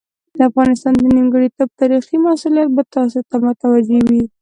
د افغانستان د نیمګړتوب تاریخي مسوولیت به تاسو ته متوجه وي.